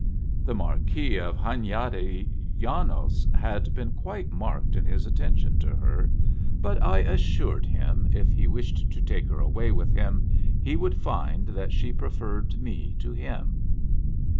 The Marquis of Hunyadi Janos hail been quite marked in his attentions to her, but I assured him, if he wished to take her away with him, he would find that she preferred me to him.